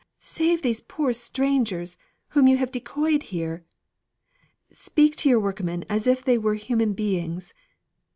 Save these poor strangers, whom you have decoyed here. Speak to your workmen as if they were human beings.